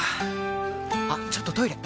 あっちょっとトイレ！